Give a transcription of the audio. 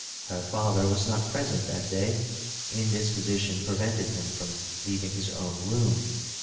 Her fiither was not present, that day ; indisposition prevented him from leaving his own room.